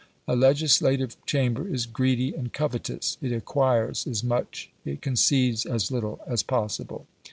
A legislative chamber is greedy and covetous; it acquires as much, it concedes as little as possible.